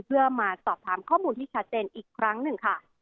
เพื่อมาสอบถามข้อมูลที่ชัดเจนอีกครั้งหนึ่งค่ะ